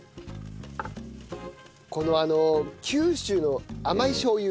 この九州の甘いしょう油。